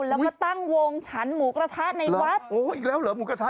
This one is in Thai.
แล้วก็ตั้งวงฉันหมูกระทะในวัด